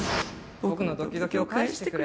ボクのドキドキを返してくれ！」。